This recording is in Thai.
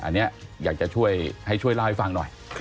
อันนี้อยากจะช่วยให้ช่วยเล่าให้ฟังหน่อย